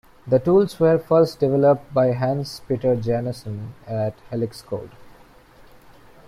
The tools were first developed by Hans Petter Jansson at Helix Code.